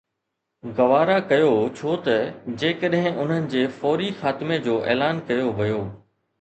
گوارا ڪيو ڇو ته جيڪڏهن انهن جي فوري خاتمي جو اعلان ڪيو ويو